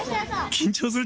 緊張する？